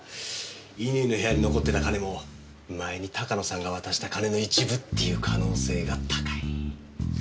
乾の部屋に残ってた金も前に鷹野さんが渡した金の一部っていう可能性が高い。